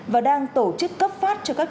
và đang tổ chức cấp phát cho các